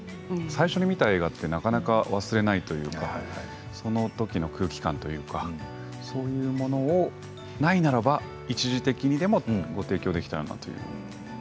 最初に見た映画ってなかなか忘れないというかそのときの空気感というかそういうものないならば一時的にでもご提供できたらなと。